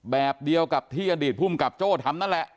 แบบเดียวกับที่อดีตภูมิกับโจ้ทำนั่นแหละ